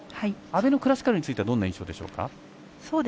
阿部のクラシカルについてはどんな印象でしょうか。